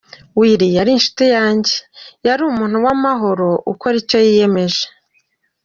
Willy yari inshuti yanjye, yari umuntu w’amahoro, ukora icyo yiyemeje.